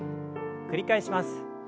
繰り返します。